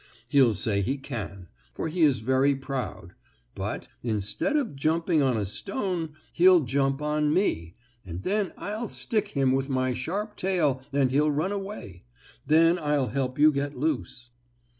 He'll say he can, for he is very proud, but, instead of jumping on a stone, he'll jump on me, and then I'll stick him with my sharp tail, and he'll run away. Then I'll help you get loose."